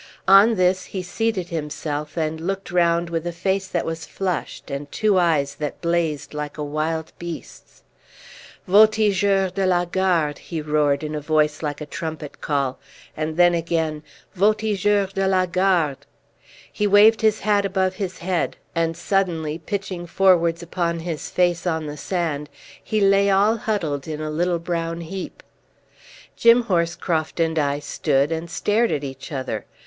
On this he seated himself and looked round with a face that was flushed, and two eyes that blazed like a wild beast's. "Voltigeurs de la Garde," he roared in a voice like a trumpet call, and then again "Voltigeurs de la Garde!" He waved his hat above is head, and suddenly pitching forwards upon his face on the sand, he lay all huddled into a little brown heap. Jim Horscroft and I stood and stared at each other.